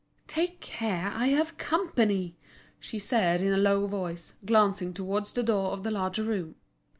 "Take care, I have company!" she said, in a low voice, glancing towards the door of the larger room.